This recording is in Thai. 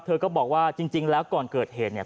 เธอก็บอกว่าจริงแล้วก่อนเกิดเหตุเนี่ย